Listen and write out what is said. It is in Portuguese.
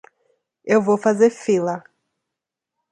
Eu vou fazer fila.